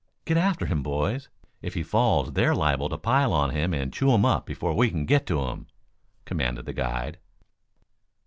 "Get after him, boys! If he falls they're liable to pile on him and chew him up before we can get to him!" commanded the guide.